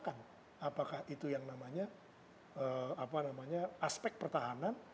tapi kita melupakan apakah itu yang namanya aspek pertahanan